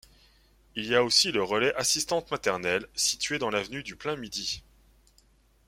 Il y a aussi le relais assistantes maternelles, situé dans l'avenue du Plein-Midi.